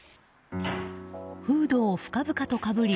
フードを深々とかぶり